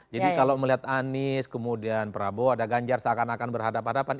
jadi kalau melihat anies kemudian prabowo ada ganjar seakan akan berhadapan hadapan